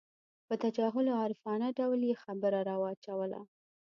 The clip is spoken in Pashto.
په تجاهل عارفانه ډول یې خبره راواچوله.